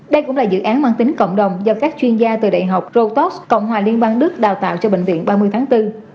đây cũng là dự án mang tính cộng đồng do các chuyên gia từ đại học rotos cộng hòa liên bang đức đào tạo cho bệnh viện ba mươi tháng bốn